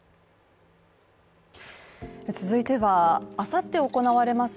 続いてはあさって行われます